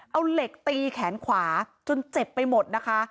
เอาเหล็กตีแขนขวาจนเจ็บไปหมดนะคะ